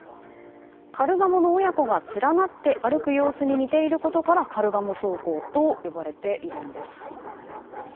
カルガモの親子が連なって歩く様子に似ていることからカルガモ走行と呼ばれているんです。